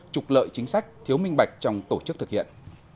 trục lợi chính sách thiếu minh bạch trong tổ chức thực hiện